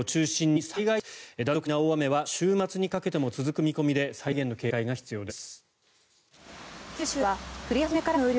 断続的な大雨は週末にかけても続く見込みで最大限の警戒が必要です。